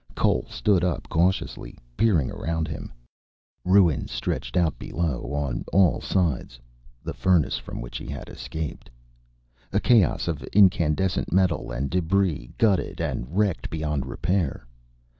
Cole stood up cautiously, peering around him. Ruins stretched out below, on all sides, the furnace from which he had escaped. A chaos of incandescent metal and debris, gutted and wrecked beyond repair.